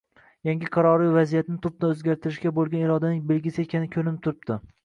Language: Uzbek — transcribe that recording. yangi qarori vaziyatni tubdan o‘zgartirishga bo‘lgan irodaning belgisi ekani ko‘rinib turibdi.